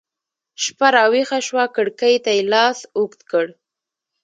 شپه راویښه شوه کړکۍ ته يې لاس اوږد کړ